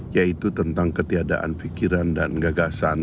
yaitu tentang ketiadaan pikiran dan gagasan